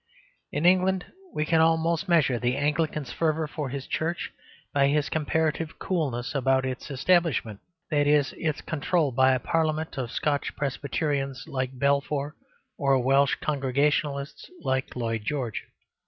In England we can almost measure an Anglican's fervour for his Church by his comparative coolness about its establishment that is, its control by a Parliament of Scotch Presbyterians like Balfour, or Welsh Congregationalists like Lloyd George.